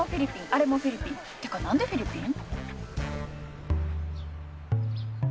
あれもフィリピンてか何でフィリピン？